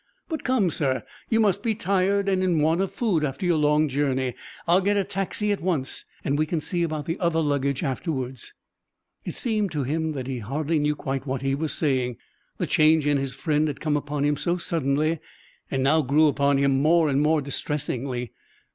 "But come, sir, you must be tired and in want of food after your long journey. I'll get a taxi at once, and we can see about the other luggage afterwards." It seemed to him he hardly knew quite what he was saying; the change in his friend had come upon him so suddenly and now grew upon him more and more distressingly.